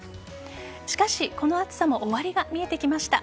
しかし、この暑さも終わりが見えてきました。